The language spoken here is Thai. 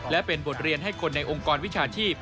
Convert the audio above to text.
และเป็นบทเรียนให้คนในองค์กรวิชาชีพ